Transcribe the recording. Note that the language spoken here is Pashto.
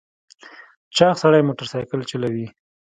چاغ سړی موټر سایکل چلوي .